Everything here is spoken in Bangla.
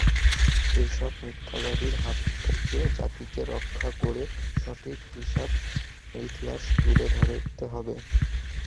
এসব মিথ্যাবাদীর হাত থেকে জাতিকে রক্ষা করে সঠিক ইতিহাস তুলে ধরতে হবে।